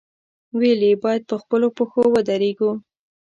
ویل یې، باید په خپلو پښو ودرېږو.